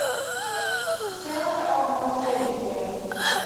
Cerro of Montevideo.